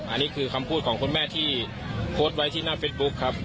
อันนี้คือคำพูดของคุณแม่ที่โพสต์ไว้ที่หน้าเฟซบุ๊คครับ